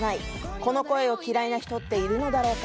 この声を嫌いな人っているのだろうか？